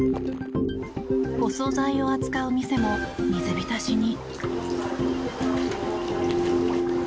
お総菜を扱う店も水浸しに。